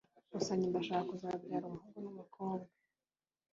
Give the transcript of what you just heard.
Gusa njye ndashaka kuzabyara umuhungu n’umukobwa